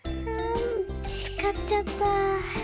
みつかっちゃったぁ。